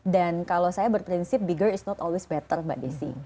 dan kalau saya berprinsip bigger is not always better mbak desi